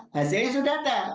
hasilnya sudah ada